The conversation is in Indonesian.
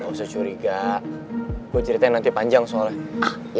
gak usah curiga gue ceritain nanti panjang soalnya